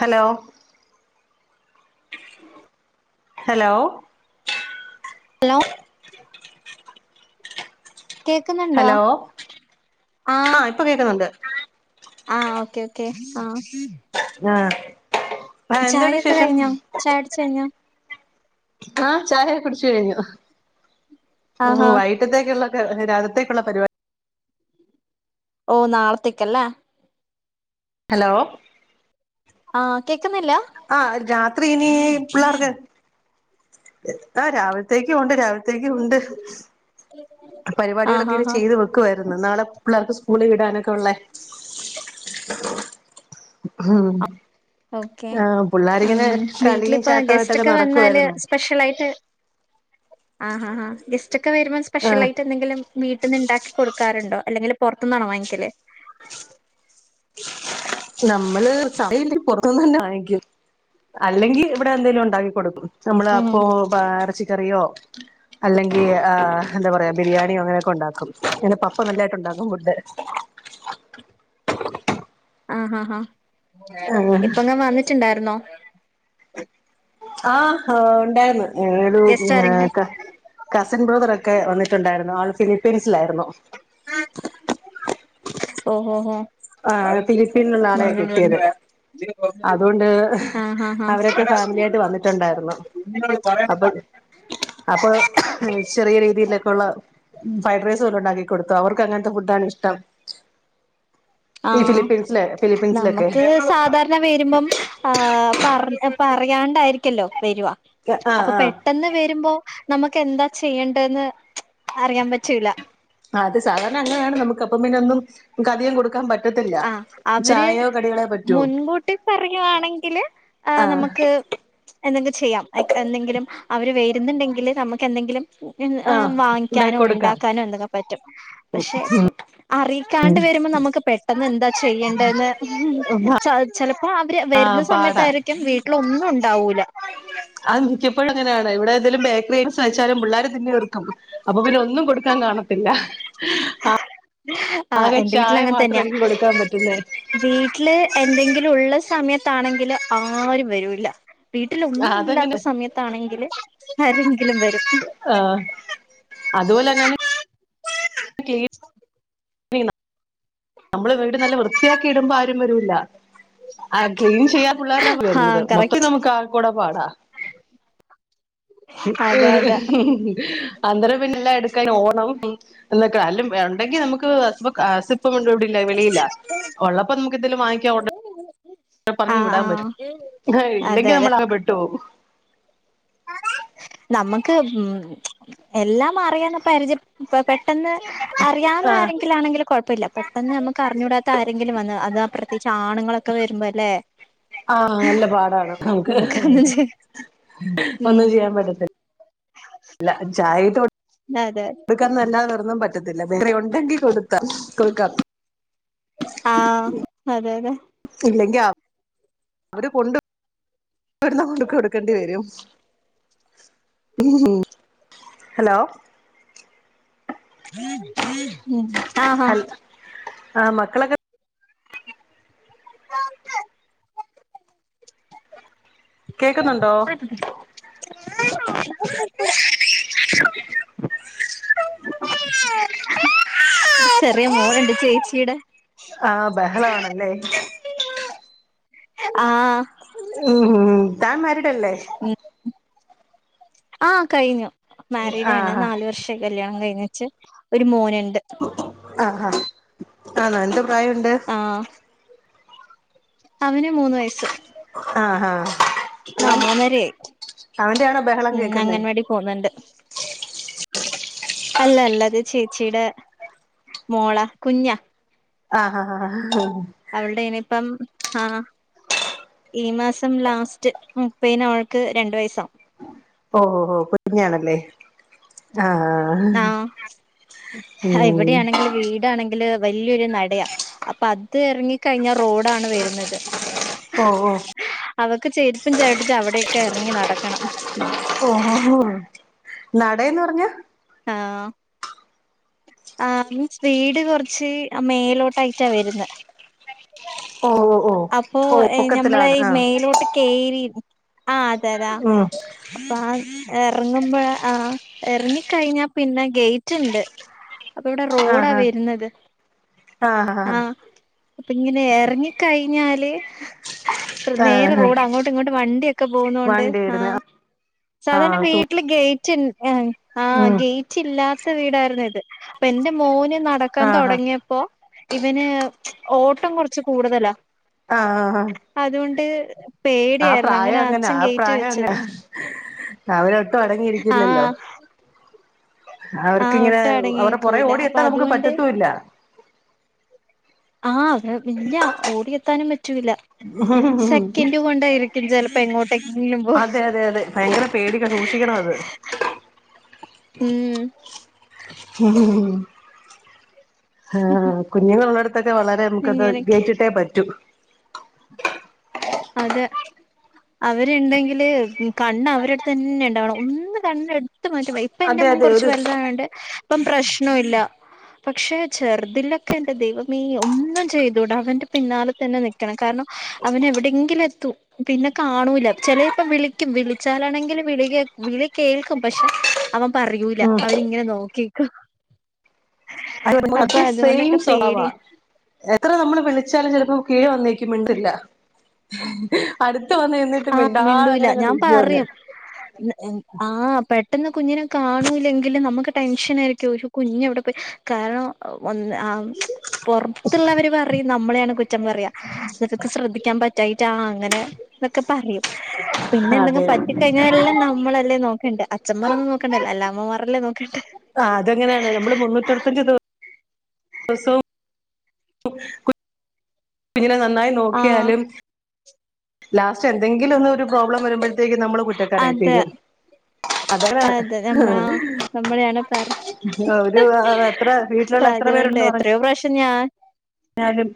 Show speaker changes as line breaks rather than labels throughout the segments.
Hello hello
hello കേക്കുന്നുണ്ടോ
hello ആ
ആഹ്
ഇപ്പൊ കേൾക്കുന്നുണ്ട്
ആഹ് ഓക്കെ ഓക്കെ ആഹ്
ആഹ
ചായൊക്കെ കഴിഞ്ഞോ ചായ കുടി കഴിഞ്ഞോ
ആഹ ചായൊക്കെ കുടിച്ച് കഴിഞ്ഞു
ആഹാ
വൈ രാത്രിത്തേക്കുള്ള പരിപാടിയാണ്
ഓ നാളത്തേക്കല്ലേ
ഹലോ
ആഹ കേക്കുന്നില്ലെ
ആഹ രാത്രി ഇനി പിള്ളാർക്ക് ഏഹ് ആഹ് രാവില്ത്തേക്ക്യും ഉണ്ട് രാവില്ത്തേക്ക്യും ഉണ്ട്
ആഹ്
പരിവാടികളൊക്കെ
ഹാ
ഇനി
ഹാ
ചെയ്ത് വെ ക്കുവാരുന്നു നാളെ പിള്ളാർക്ക് സ്കൂളി ഇടാനൊക്കെ ഉള്ളേ ഉം
ഓക്കെ
ആഹ്
ഉം
പുള്ളാര്ങ്ങനെ കളീം ചാട്ടായിട്ടൊക്കെ നടക്കുവാരുന്ന്
സ്പെഷ്യലായിട്ട് ആഹ് ആഹ് ആഹ് ഗെസ്റ്റൊക്കെ വരുമ്പം
ആഹ്
സ്പെഷ്യലായിട്ട് എന്തെങ്കിലും വീട്ട്ന്ന്ണ്ടാക്കി കൊട്ക്കാറ്ണ്ടോ അല്ലെങ്കില് പൊറത്ത്ന്നാണോ വാങ്ങിക്കല്
നമ്മള് സമയല്ലെങ്കി പൊറ്ത്ത്ന്നന്നേ വാങ്ങിക്ക്യും. അല്ലെങ്കി ഇവടെ എന്തേലുണ്ടാക്കി കൊടുക്കും നമ്മള്
ഉം
അപ്പൊ പാ എർച്ചിക്കറിയോ അല്ലെങ്കി ആഹ് എന്താ പറയാ ബിരിയാണിയൊ അങ്ങനെയൊക്കെ ഒണ്ടാക്കും [unintelligible] പപ്പ നല്ലായിട്ട്ണ്ടാക്കും ഫുഡ്
ആഹ് ഹാ ഹാ ഇപ്പങ്ങാ വന്നിട്ട്ണ്ടാര്ന്നോ
ആഹ് ഹോ ഉണ്ടാര്ന്ന്
ഗസ്റ്റ് ആരെങ്കിലും
[unintelligible] കസിൻ ബ്രദറൊക്കെ വന്നിട്ട്ണ്ടാരുന്നു ആൾ ഫിലിപ്പീൻസിലായിരുന്നു
സ് ഓഹോ ഹോ
ആഹ് ഫിലിപ്പീനിലുള്ള ആളെയാ
ഉം
കിട്ടിയത് അതുകൊണ്ട്
ആഹ് ഹാ ഹാ
അവരൊക്കെ ഫാമിലി ആയിട്ട് വന്നിട്ടുണ്ടായിരുന്നു അപ്പൊ അപ്പൊ ചെറിയ രീതിയിലൊക്കള്ള ഉം ഫ്രൈഡ്റൈസ് പോലെ ഉണ്ടാക്കി കൊട്ത്തു അവർക്കങ്ങത്തെ ഫുഡാണിഷ്ടം
ആഹ്
ഫിലിപ്പീൻസിലെ ഫിലിപ്പീൻസിലൊക്കെ
നമ്മക്ക് സാധാ രണ വരുമ്പം ആഹ് പറ് ഏഹ് പറയാണ്ടായിരിക്കല്ലോ വെരുവാ
ആഹ്
അപ്പം
ആഹ്
പെട്ടെന്ന് വരുമ്പോ നമ്മക്കെന്താ ചെയ്യണ്ടേന്ന് അറിയാൻ പറ്റൂല
ആഹ് അത് സാധാരണ അങ്ങനെയാണ് നമുക്ക് അപ്പം പിന്നൊന്നും ക്കധിയം കൊടുക്കാൻ പ
ആഹ് അവര്
പറ്റൂ
മുൻക്കൂട്ടി പറയാണെങ്കില് ആഹ് നമുക്ക് എന്തെങ്കിലും ചെയ്യാം അയ്ക്ക് എന്തെങ്കിലും അവര് വെര്ന്ന്ണ്ടെങ്കില് നമ്മക്ക് എന്തെങ്കിലും ഇന്
ആഹ്
ഏഹ്
ഉണ്ടാക്കി
വാങ്ങിക്കാനോ
കൊടുക്കാം
ഇണ്ടാക്കാനോ എന്തങ്കെ പറ്റും പക്ഷേ ഇപ്പം അറിയിക്കാണ്ട് വെരുമ്പം നമുക്ക് പെ ട്ടന്നന്താ ചെയ്യണ്ടേന്ന് ചെല് ചെലപ്പോ അവര്
ആഹ്
വെര്ന്ന
പാടാ
സമയത്തായിരി ക്ക്യും വീട്ടിലൊന്നും ഉണ്ടാവൂല
അഹ് മിക്കപ്പഴും അങ്ങനേണെ ഇവ്ടെന്തേലും ബേക്കറിയേം സായ്ച്ചാലും പുള്ളാര് തിന്ന് തീർക്കും ഉം അപ്പൊ പിന്നെ ഒന്നും കൊടുക്കാൻ കാണത്തില്ല ആഹ്
ആഹ്
ആകെ ചായ മാത്രായിരിക്കും കൊടുക്കാ പറ്റ്ന്നെ
ജീട്ടില് എന്തെങ്കിലും ഉള്ള സമയത്താണെങ്കില് ആരും വരൂല്ല വീട്ടിലൊന്നു ഇല്ലാത്ത
അതങ്ങനെ
സമയത്താണെങ്കില് ആരെങ്കിലും വരും
ആഹ് അതുപോലന്നാണ് ക്ലീ നമ്മള് വീട് നല്ല വൃത്തിയാക്കിടുമ്പോ ആരും വരൂല്ല ആഹ് ക്ലീൻ ചെയ്യാൻ പുള്ളാരെല്ലാം
ആഹ്
വരുന്നത് മൊത്തം
കറക്റ്റ്
നമുക്ക് ആകെക്കൂടെ പാടാ എ
അതെ അതെ
ഏഹ് അന്തരം പിന്നെല്ലാം എട്ക്കാൻ ഓട്ണം ഉം എന്തക്കാ അല്ല ഏഹ് ഇണ്ടെങ്കി നമ്മക്ക് ഹസ്ബക അസ പ്പമുണ്ട് ഇവിടില്ലാ വെളിയിലാ ഒള്ളപ്പോ നമ്മക്കന്തേലും വാങ്ങിക്കാ ഓഡ പറഞ്ഞു
ആഹ്
വിടാൻ പറ്റും
ആഹ്
ഏഹ്
അതെ
ഇല്ലെങ്കി
അതെ
നമ്മളാക പെട്ടു പോവും
നമ്മക്ക് ഉം എല്ലാം അറിയ്ണ പരിചയ പ്പ പെട്ടെന്ന്
ആഹ്
അറിയാവുന്നാരെ ത്തിലാണെങ്കില് കൊഴപ്പല്ല പെട്ടെന്ന് അമ്മക്ക് അറിഞ്ഞൂടാത്ത ആരെങ്കിലും വെന്ന് അത് ആഹ് പ്രത്യേയിച്ച് ആണ് ങ്ങളൊക്കെ വരുമ്പല്ലേ
ആഹ്
ഹ്
നല്ല പാടാണ് നമുക്ക്
നമ്മക്ക് ഹ് ഒന്നും ചെയ
ഒന്നും ചെയ്യാൻ പറ്റത്തില്ല ല്ലാ ചായേ ട്ടൊ
അതെയതെ
കൊടുക്കാന്നല്ലാ വെറൊന്നും പറ്റത്തില്ല വേറെ ഒണ്ടെങ് കികൊടുത്താം കൊടുക്കാം
ആഹ് അതെയതെ
ഇല്ലെങ്കിഅപ് അവര് കൊണ്ട് വരുന്ന കൊണ്ട്കൊടുക്കണ്ടി വരും ഉംഹും ഹലോ
ഉം ആഹ് ഹാ
ആഹ് മക്കളൊക്കെ
[inaudible]
കേക്ക്ന്നൊണ്ടോ? [inaudible]
ചെറിയ മോളുണ്ട് ചേച്ചീടെ
ആഹ് ബഹളവാണല്ലേ
[unintelligible] ആഹ്
ഉംഹും താൻ മാരീടല്ലേ
ഉം ആഹ് കഴിഞ്ഞു മാരിഡാണ്
ആഹ്
നാലു വർഷായി കല്യാണം കഴിഞ്ഞേച്ച് ഒരു മോന്ണ്ട്
ആഹാ ആണാ എന്ത് പ്രായോണ്ട്?
ആഹ് അവന് മൂന്ന് വയസ്സ്
ആഹ് ഹാ അവൻ
ആഹ് മൂന്നരയായി
അവന്റെയാണോ ബഹളം കേക്കുന്നെ?
കോൺവെന്റ് അല്ലല്ലത് ചേച്ചീടെ മോളാ കുഞ്ഞാ
ആഹ് ഹാ ഹാ ആഹ്
അവൾടെനിപ്പം ഹാ ഈ മാസം ലാസ്റ്റ് മുപ്പേയിന് അവൾക്ക് രണ്ട് വയസാവും
ഓഹ് ഹോ കുഞ്ഞാണല്ലേ ആഹ് ആഹ്
ആഹ് ഹാ
ഉം
ഇവിടെയാണെങ്കില് വീടാണെങ്കി ങ്കില് വല്ല്യൊരു നടയാ അപ്പത് എറങ്ങി കഴിഞ്ഞാ റോഡാണ് വെരുന്നത്
ഓഹ് ഓഹ്
അവക്ക് ചെരിപ്പും ചവിട്ടിച്ചവിടെയെക്കെ എറങ്ങി നടക്കണം
ഓഹോഹോ നടേന്ന് പറഞ്ഞാ
ആഹ് ആഹ് [unintelligible] വീട് കൊറച്ച് മേലോട്ടായിട്ടാ വെരുന്നെ
ഓ ഓ ഓ
അപ്പൊ
ഓ
ഞമ്മളെ
പൊക്കത്തിലാണ്
ഈ
ആഹ്
മേലോട്ട് കേറി ആ അതെതാ
ഉം
അപ്പ ആ എറങ്ങുമ്പഴാ ആഹ് എറങ്ങിക്കഴിഞ്ഞാ പിന്നെ ഗേറ്റ്ണ്ട് അപ്പയ് വിടെ റോഡാ
ആഹ്
വെരുന്നത് ആഹ് അപ്പൊങ്ങനെ എറങ്ങിക്കഴിഞ്ഞാല്
ആഹ്
നേരെ
ആഹ്
റോഡാ അങ്ങോട്ട്ങ്ങോട്ട് വണ്ടിയെക്കെ പോകുന്നോണ്ട്
വണ്ടി വരുന്ന
ആഹ് സാധാരണ
ആഹ്
വീട്ടില് ഗേറ്റ്ന് ആഹ്
ഉം
ഗേറ്റ് ഇല്ലാത്ത വീടാരുന്നു ഇത് പ്പെന്റെ മോന് നടക്കാൻ
ആഹ് ആഹ്
തൊടങ്ങിയപ്പോ ഇവന് ഓട്ടം കൊറച്ച് കൂടുതലാ
ആഹ്ആഹ്ആഹ്
അതൊണ്ട് പേടിയാരുന്നു
അങ്ങനെ
അങ്ങനച്ഛൻ
ആ
ഗേറ്റ്
പ്രായം അങ്ങനെ
വെച്ചതാ
അവരൊട്ടും അടങ്ങിയിരിക്കില്ലല്ലോ?
ആഹ് ആഹ്
അവർക്കിങ്ങനെ
ഒട്ടും അടങ്ങി
അവറെ പൊറേ
നിക്കൂല
ഓടി
അപ്പൊ
എത്താ നമുക്ക്
അതുകൊണ്ട്
പറ്റത്തൂ ഇല്ല
ആഹ് ഇല്ല ഓടിയെത്താനും പറ്റൂല്ല സെക്കൻഡ് കൊണ്ടായി [unintelligible] ചെലപ്പോ എങ്ങോട്ടേ കെ ങ്കിലുംമ്പോ
അതെ അതെ അതെ ഭയങ്കര പേടിക സൂക്ഷിക്കണം അത്
ഉം
ഉ ആഹ കുഞ്ഞുങ്ങളള്ളടുത്തൊക്കെ വളരെ നമുക്കത്
അങ്ങനെയൊക്കെ
ജയിച്ചിട്ടേ പറ്റൂ.
അതെ അവര് ഇണ്ടെങ്കില് കണ്ണ്അവരെഅടുത്ത്തന്നെ ഇണ്ടാവണം ഒന്ന് കണ്ണ എടുത്ത് മാറ്റും ഇപ്പ എന്റെ
അതെ
മോൻ
അതെ
കൊറച്ച്
ഒരു
വലുതായോണ്ട് ഇപ്പം പ്രശ്ന ഇല്ല. പക്ഷെ ചെറുതിന്റെ ഒക്കെ എന്റെ ദൈവമേ ഒന്നും ചെയ്തൂടാ അവന്റെ പിന്നാലെ തന്നെ നി രണം കാരണം അവന എവിടെങ്കിലും എത്തും. പിന്നെ കാണൂല ചെലേ ഇപ്പം വിളിക്കും വിളിച്ചാലാണെങ്കിൽ വിളി കേ വിളി കേൾക്കും പക്ഷെ അവൻ പറയൂല.
ഉം
അവൻ ഇങ്ങനെ നോക്കിക്കും.
അ മ
അപ്പൊ
[unintelligible] സെയിം
അതുകൊണ്ടൊക്കെ
സ്വഭാവ
പേടിയ
എത്ര നമ്മള് വിളിച്ചാലും ചിലപ്പോ കീഴ് വന്നേക്കുമിണ്ടില്ല. അടുത്ത വന്ന് നിന്നിട്ട്
ആഹ്
മിണ്ടാത
മിണ്ടൂല
അങ്ങനെ അങ്ങനെ
ഞാൻ
[unintelligible] വന്നു.
പറയും ആഹ് പെട്ടെന്ന് കുഞ്ഞിനെ കാണൂലങ്കിലും നമുക്ക് ടെൻഷൻ ആയിരിക്കും ഒരു കുഞ്ഞ എവിടെ പോയി കാരണം ഒന്ന് ആഹ് പൊറത്തുള്ളവര് പറയും നമ്മളെയാണ് കുറ്റം പറയ നിനക്ക് ശ്രദ്ധിക്കാൻ പറ്റായിട്ടാണോ അങ്ങനെ? എന്നൊക്കെ പറയും. പിന്നെ
അതെ
എന്തെങ്കിലും പറ്റിക്കഴിഞ്ഞ ലെല്ലാം നമ്മളല്ലേ നോക്കണ്ട അഛന്മാർന്നും നോക്കണ്ടേ അമ്മമാരല്ലെ നോക്കണ്ടേ
ആഹ് അതെങ്ങനെയാണ് നമ്മള് മുന്നു [unintelligible] ദ കുഞ്ഞിനെ നന്നായി
ആഹ്
നോക്കിയാലും [unintelligible] ലാസ്റ്റ് എന്തെങ്കിലും ഒന്ന് ഒരു പ്രോബ്ലം വരുമ്പോഴത്തേക്ക് നമ്മള് കുറ്റക്കാരായി
അതെ
തീരും. അതെ
നമ്മളെയാണ് പറ
ഒരു എത്ര വ [unintelligible]
അപ്പ അതുകൊണ്ട് എത്രയോ പ്രശ്നം ഞാൻ
എന്നാലും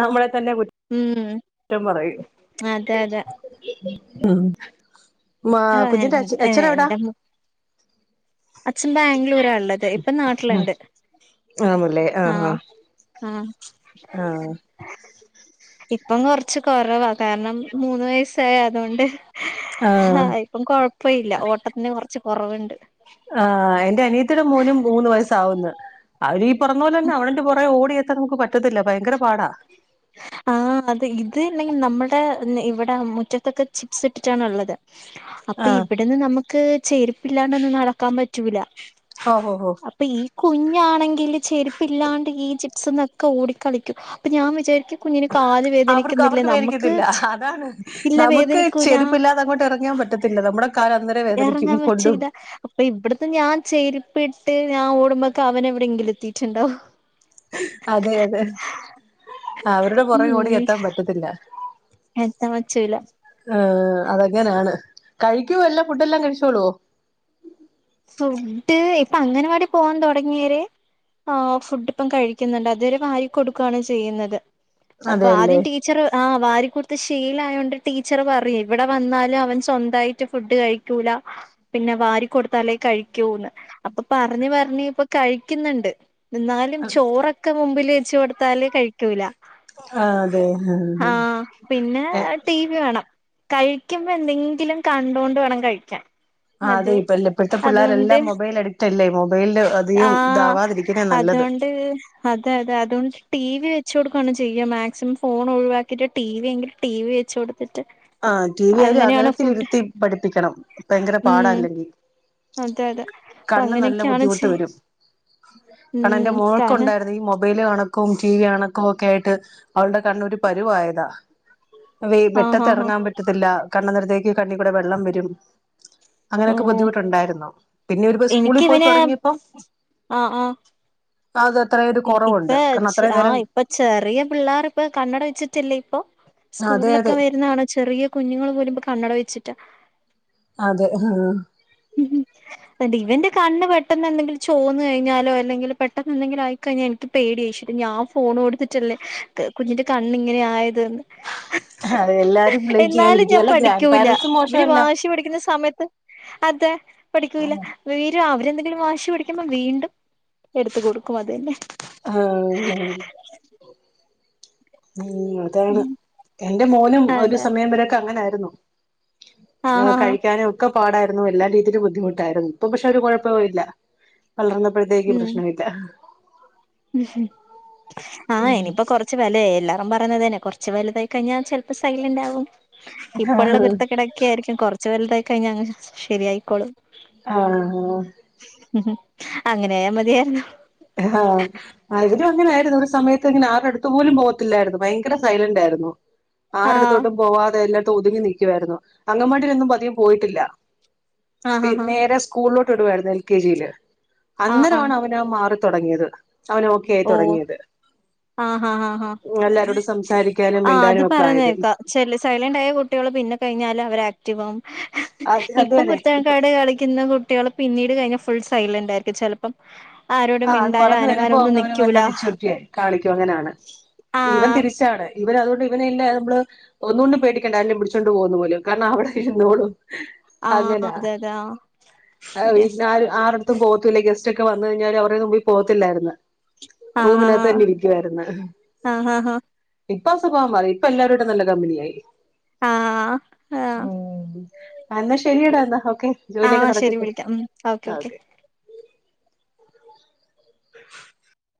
നമ്മളെ തന്നെ
ഉം
കുറ്റം പറയൂ
അതെ അതെ
ഉ മ [unintelligible]
ആഹ് എൻ
കുഞ്ഞിന്റെ അച്
ഏ
അച്ഛന എവിടാ?
എന്റെ മു അച്ഛൻ ബാംഗ്ലൂരാ ഇള്ളത്. ഇപ്പ നാട്ടിലുണ്ട്. ആഹ ആഹ
ആഹ്
ഇപ്പം കൊറച്ച് കൊറവാ കാരണം മൂന്ന് വയസായ അതോണ്ട്
ആ
ആഹ് ഇപ്പം കൊഴപ്പല്ല. ഓട്ടത്തിന് കൊറച്ച് കൊറവ്ണ്ട്.
ആഹ് എന്റെ അനിയത്തിടെ മോനും മൂന്ന് വയസ്സാവുന്നുണ്ട്. അവര് ഈ പറഞ്ഞ പോലെന്നെ അവളന്റെ പുറകെ ഓടിയെത്താൻ നമുക്ക് പറ്റത്തില്ല. ഭയങ്കര പാടാ.
ആഹ് അത് ഇത് ഇല്ലെങ്കിൽ നമ്മുടെ ഇവിടെ മുറ്റത്തൊക്കെ ചിപ്സ് ഇട്ടിട്ടാണ്ള്ളത്. അപ്പൊ
ആ
ഇവിടന്ന് നമുക്ക് ചേരുപ്പില്ലാണ്ടൊന്നും നടക്കാൻ പറ്റൂല.
ഓ ഹോ ഹോ
അപ്പൊ ഈ കുഞ്ഞാണെങ്കില് ചെരുപ്പില്ലാണ്ട് ഈ ജിപ്സ്ന്നൊക്കെ ഓടിക്കളിക്കും അപ്പൊ ഞാൻ വിചാരിക്കും കുഞ്ഞിന് കാല്
അവർക്ക്
വേദനിക്കുന്നില്ലേ
അവർക്ക് വേദനിക്കത്തില്ല.
നമുക്ക്
അതാണ്
ഇല്ല
നമുക്ക്
വേദനിക്കൂല
ചെരുപ്പില്ലാതെ അങ്ങോട്ട് ഇറങ്ങാൻ പറ്റത്തി ല്ല നമ്മുടെ കാല അന്തരേ വേദനിക്കും. കൊണ്ടും
അപ്പ ഇവിടന്ന് ഞാൻ ചെരിപ്പിട്ട് ഞാൻ ഓടുമ്പക് അവനെവിടെയെങ്കിലും എത്തിയിട്ടുണ്ടാവും.
അതെ അതെ അവരുടെ പുറകെ ഓടി
ഉം
എത്താൻ പറ്റത്തില്ല.
എത്താൻ പറ്റൂല.
ആഹ് അതങ്ങനെയാണ്. കഴിക്കുവോല്ലാം ഫുഡല്ലാം കഴിച്ചോളു.
ഫുഡ് ഇപ്പൊ അങ്കനവാടി പോവാൻ തുടങ്ങിയര് ആഹ് ഫുഡ് പ്പം കഴിക്കുന്നുണ്ട്. അതുവരെ വാരി കൊടുക്കുകയാണ് ചെയ്യുന്നത് അപ്പൊ
അതെയല്ലേ
ആദ്യം ടീച്ചറ് ആ വാരികൊടുത്ത് ഷീലായോണ്ട് ടീച്ചറ് പറയും ഇവിടെ വന്നാലും അവൻ സ്വന്തായിട്ട് ഫുഡ് കഴി ക്കൂല പിന്നെ വാരി കൊടുത്ത് തലേ കഴിക്കൂന്ന് അപ്പൊ പറഞ്ഞ് പറഞ്ഞ് ഇപ്പ കഴിക്കുന്നുണ്ട്. എന്നാലും ചോറൊക്കെ മുമ്പിൽ വച് കൊടുത്താല് കഴിക്കൂല.
ആഹ് അതെ
ആഹ് പിന്നെ
ഏഹ്
ടി വേണം കഴിക്കുമ്പോ ന്തെങ്കിലും കണ്ടോണ്ട് വേണം കഴിക്കാൻ
ആഹ് അതെ
അത്
ഇപ്പ ഇപ്പഴത്തെ
അതുകൊണ്ട്
പിള്ളേരെല്ലാം മൊബൈൽ അഡിക്ട് അല്ലേ മൊബൈൽ അധികം ഇതാവാതിരിക്കുന്നേ നല്ലത്.
ഹേ അതെ അതെ അതുകൊണ്ട് ടി വി വെച്ചു കൊടുക്കാണ് ചെയ്യ മാക്സിമം ഫോൺ ഒഴിവാക്കിയിട്ട് ടി വിയെങ്കിൽ ടി വി വെച്ചടുക്ക ഇട്ട്
ആ ടി വി യായാല് അകലത്തിരുത്തി പഠിപ്പിക്കണം ഭയങ്കര പാട
ഉം
അല്ലെങ്കിൽ
അതെ അതെ അപ്പൊ അങ്ങനെ ക്കെ
ല്ല ബുദ്ധിമുട്ട് വരും കാരണം
ഉം
എന്റെ മോൾക്
കാരണം
ഉണ്ടായിരുന്നു ഇ മൊബൈൽ കാണു കും കീവി അണക്കും ഒക്കെയിട്ട് അവൾടെ കണ്ണൊരു പരുവായതാ വി
ആഹ് ആഹ്
മുറ്റത്തിറങ്ങാൻ
ആഹ്
പറ്റത്തില്ല കണ്ണ നിറത്തേക്ക് കണ്ണികൂടെ വെള്ളം വരും
ഓ
അങ്ങനെയൊക്കെ ബുദ്ധിമുട്ടുണ്ടായിരുന്നു പിന്നെ വര്പ്പൊ സ്കൂളിൽ പോയി
എനിക്കിവന്
തുടങ്ങിയപ്പോ
ആഹ് ആഹ്
അത അത്ര
ഇപ്പൊ
അത്രയും
ആഹ്‌
നേരം
ഇപ്പ ചെറിയ പിള്ളേർപ്പ കണ്ണട വച്ചിട്ടില്ലേ
അതെ
സ്കൂളിലൊക്കെ
അതെ
വരുന്നാണ് ചെറിയ കുഞ്ഞുങ്ങള് പോലും ഇപ്പൊ കണ്ണട വെച്ചിട്ടാ
അതെ ആഹ്‌
ഉം ഇവന്റെ കണ്ണ് പെട്ടെന്ന് എന്തെങ്കും ചോന്ന് കഴിഞ്ഞാലോ അല്ലെങ്കിൽ പെട്ടെന്ന് എന്തെങ്കിലും ആയി കഴിഞ്ഞ നിക്ക് പേടി ച്ചിട്ട് ഞാൻ ഫോൺ ടുത്തിട്ടല്ലേ കുഞ്ഞിന്റെ കണ്ണിങ്ങനെ ആയതന്
അതെ എല്ലാരും ബ്ലെയിം
എന്നാലും
ചെയ്യാതിരിക്കും
ഞാൻ
അല്ല ഗ്രാൻഡ്
പഠിക്കൂല
പാരൻറ്സും
ഇവര്
മോശമല്ല
വാശി പിഠിക്കുന്ന സമയത്ത് അതെ പഠിക്കൂല വീര് അവരെന്തെങ്കിലും വാശി പിടിക്കുമ്പോ വീണ്ടും എടുത്തു കൊടുക്കും അതന്നെ
ആഹ്‌ ഉം
[inaudible]
ഉം അതാണ് എന്റെ മോനും ഒരു
അതെ
സമയം വരൊക്കെ അങ്ങനൊയിരുന്നു.
ആഹ്
ആഹ്‌
ആഹ്
കഴിക്കാനൊക്കെ പാടായിരുന്നു എല്ലാ രീതിലും ബുദ്ധിമുട്ടായിരുന്നു ഇപ്പൊ പക്ഷെ ഒരു കുഴപ്പവില്ല വളർന്നപ്പയെക്കും പ്രശ്ന ഇല്ല.
ഉം ആഹ്‌ ഇനിയിപ്പ കൊറച്ച് കൊറച്ചു വലെ എല്ലാരും പറന്നതന്നെ കൊറച്ച് വലുതായി കഴിഞ്ഞാൽ ചെലപ്പോ സൈലന്റ് ആകും ഇപ്പള്ള
ആഹ്
കുരുത്തക്കിടക്കെയിരിക്കും കൊറച് വലുതായി കഴിഞ്ഞ അങ്ങ് ശരിയായിക്കോളും
ആഹ്‌
ഉം ഉം അങ്ങനെയ മതിയായിരുന്നു.
ആഹാ അവരും അങ്ങനെയായിരുന്നു ഒരു സമയത്ത് ത്തങ്ങനെ ആരുടടുത്തു പോലും പോകത്തില്ലാരുന്നു ഭയങ്കര സൈലന്റാരുന്നു.
ആഹ്
ആരടുത്തോട്ടും പോവാതെ എല്ലാത്തും ഒതുങ്ങി നിക്കുവാരുന്നു അംഗൻവാടിയിലൊന്നും പതിയെ പോയിട്ടില്ല
ആഹ്
പി
ആഹ്
നേരെ സ്കൂളിലോട്ട് വിടുവാരുന്നു എൽ കെ ജില്
ആഹ് ആഹ്
അന്നേരാണവനെ ആ മാറി തൊടങ്ങിയത് അവനോ ക്കായി
ഓഹ്
തുടങ്ങിയത്
ആഹ് ആഹ് ആഹ് ആഹ്
എല്ലാരോടും സംസാരിക്കാനും
ആഹ്
മിണ്ടാനും
അത്
ഒക്കെ ആയത്.
പറയുന്നേക്കാ ചെല സൈലന്റായ കുട്ടികളെ പിന്നെ കഴിഞ്ഞാലവരാക്റ്റീവ് ആവും
അത്
ഇപ്പം
അതുവരെ
കുരുത്തക്കേട് കളിച്ചു ക്കുന്ന കുട്ടികളെ പിന്നീട് കഴിഞ്ഞെ ഫുൾ സൈലന്റായിരിക്കും ചിലപ്പം ആരോടും
ആ അത്
മിണ്ടാനോ
വളർന്ന്
അനങ്ങാനോ
വരുമ്പോ
ഒന്നും
അങ്ങ്
നിക്
അവന് നല്ല മെച്ചുരിറ്റിയെ കാണിക്കുങ്ങനാണെ ഇവൻ
ആഹ്
തിരിച്ചാണ് ഇവനെ അതുകൊണ്ട് ഇവന ഇല്ല മ്മളെ ഒന്നുകൊണ്ടും പേടിക്കണ്ട ആരേലും പിടിച്ചുകൊണ്ട് പോകുന്ന പോലും കാരണം അവിടെ ഇരുന്നോളും
ആഹ് അതെ അതെ ആഹ്
ആഹ്
ശരിയാ
വീട്ട്നാരും ആർടടുത്തും പോകത്തുമില്ല ഗസ്റ്റൊക്കെ വന്നു കഴിഞ്ഞാല് അവർ ടെയൊന്നും മുമ്പി പോത്തില്ലാരുന്നു
ആഹ്
റൂമിന്നാത്തു
ആഹ്
തന്നെ ഇരിക്കുവാരിന്നെ
ആഹ് ആഹ്
ഇപ്പാ സ്വഭാവം മാറി ഇപ്പെല്ലോ രായിട്ടും നല്ല കമ്പിനിയായി.
ആഹ് ആഹ് ആഹ്
ഊ ആഹ് എന്നാ ശരിയെടാ എന്നാ ഓക്കെ ജോലിയൊക്കെ നടക്
രിവിളക്കാം ഉം ഓക്കെ ഓക്കെ
[inaudible]